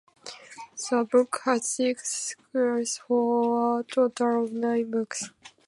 The book has six sequels, for a total of nine books.